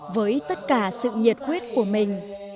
với tất cả sự nhiệt quyết của mình